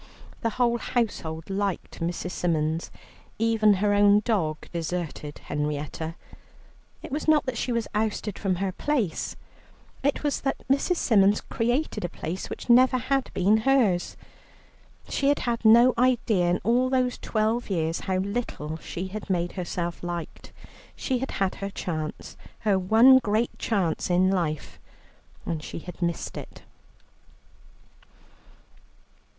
The whole household liked Mrs. Symons; even her own dog deserted Henrietta. It was not that she was ousted from her place, it was that Mrs. Symons created a place, which never had been hers. She had had no idea in all these twelve years how little she had made herself liked. She had had her chance, her one great chance, in life, and she had missed it.